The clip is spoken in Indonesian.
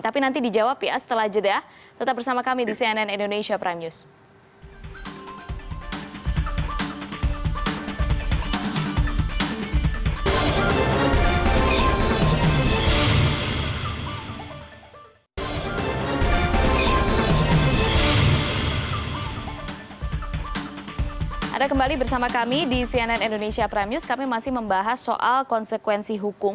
tapi nanti dijawab ya setelah jeda tetap bersama kami di cnn indonesia prime news